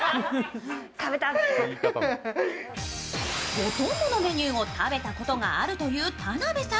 ほとんどのメニューを食べたことがあるという田辺さん。